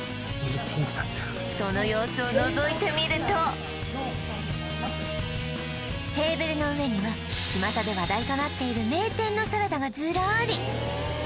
その様子をのぞいてみるとテーブルの上にはちまたで話題となっている名店のサラダがズラーリ